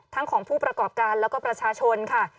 ของผู้ประกอบการแล้วก็ประชาชนค่ะ